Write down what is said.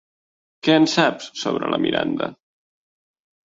Què en saps, sobre la Miranda?